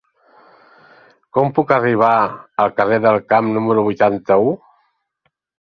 Com puc arribar al carrer del Camp número vuitanta-u?